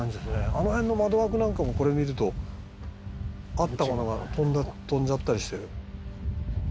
あの辺の窓枠なんかもこれ見るとあったものが飛んじゃったりしてる。